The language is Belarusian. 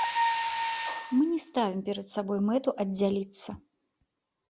Мы не ставім перад сабой мэту аддзяліцца.